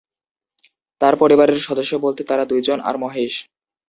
তার পরিবারের সদস্য বলতে তারা দুই জন আর মহেশ।